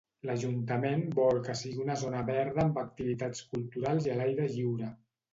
L'Ajuntament vol que sigui una zona verda amb activitats culturals i a l'aire lliure.